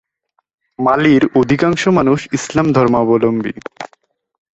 মালির অধিকাংশ মানুষ ইসলাম ধর্মাবলম্বী।